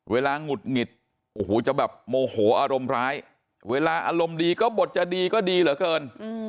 หงุดหงิดโอ้โหจะแบบโมโหอารมณ์ร้ายเวลาอารมณ์ดีก็บทจะดีก็ดีเหลือเกิน